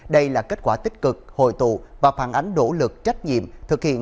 đây là kết quả tích cực hồi tụ và phản ánh đỗ lực trách nhiệm thực hiện